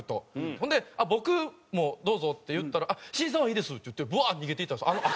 ほんで「僕もどうぞ」って言ったら「しんいちさんはいいです」ってバーッ逃げていったんです。